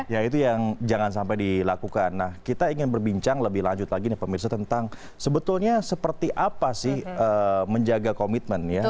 ya itu yang jangan sampai dilakukan nah kita ingin berbincang lebih lanjut lagi nih pemirsa tentang sebetulnya seperti apa sih menjaga komitmen ya